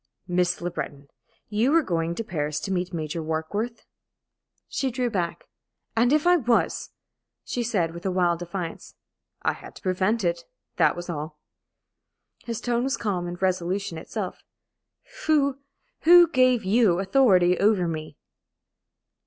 "Miss Le Breton, you were going to Paris to meet Major Warkworth?" She drew back. "And if I was?" she said, with a wild defiance. "I had to prevent it, that was all." His tone was calm and resolution itself. "Who who gave you authority over me?"